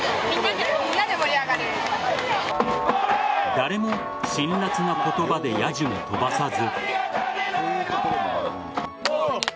誰も辛辣な言葉でやじも飛ばさず。